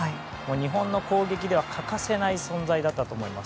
日本の攻撃には欠かせない存在だったと思います。